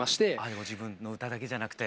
ご自分の歌だけじゃなくて。